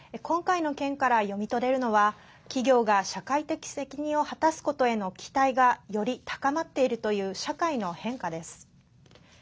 今回の件から読み取れるのは企業が社会的責任を果たすことへの期待がより高まっているという社会の変化です。